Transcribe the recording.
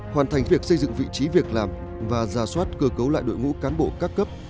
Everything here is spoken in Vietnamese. hoàn thành việc xây dựng vị trí việc làm và ra soát cơ cấu lại đội ngũ cán bộ các cấp